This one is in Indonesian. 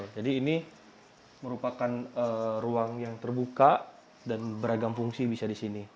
ini merupakan ruang yang terbuka dan beragam fungsi bisa di sini